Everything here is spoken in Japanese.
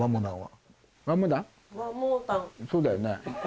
そうだよね。